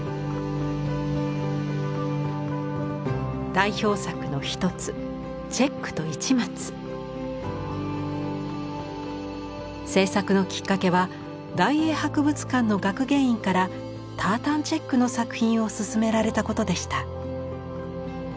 代表作の一つ制作のきっかけは大英博物館の学芸員からタータンチェックの作品をすすめられたことでした。